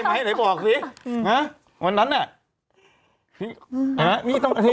ไหนบอกสิวันนั้นน่ะ